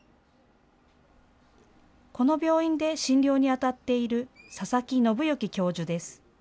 この病院で診療にあたっている佐々木信幸教授です。